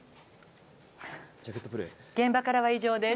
現場からは以上です。